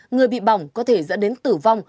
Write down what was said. người bị bỏng có thể dẫn đến tử vong